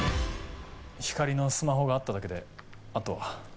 光莉のスマホがあっただけであとは。